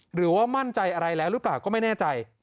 หรือว่ามั่นใจอะไรแล้วหรือเปล่าก็ไม่แน่ใจ